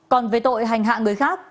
còn về tội hành hạ người khác